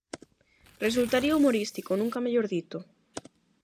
Resultaría humorístico, nunca mellor dito.